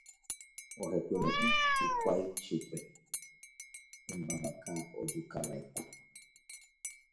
Ohepyme'ẽ hikuái chupe hymba vaka ojukava'ekue.